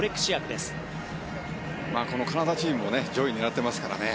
カナダチームも上位を狙っていますからね。